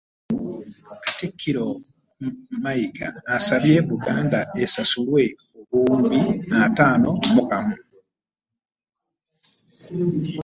Katikkiro Mayiga asabye Buganda esasulwe obuwumbi ataano mu kamu